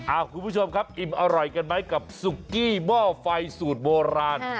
คุณผู้ชมครับอิ่มอร่อยกันไหมกับซุกี้หม้อไฟสูตรโบราณ